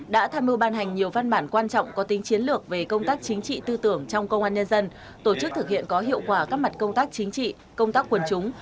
đã tham mưu ban hành nhiều văn bản quan trọng có tính chiến lược về công tác chính trị tư tưởng trong công an nhân dân tổ chức thực hiện có hiệu quả các mặt công tác chính trị công tác quần chúng